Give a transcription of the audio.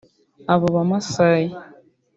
Abo bamasayi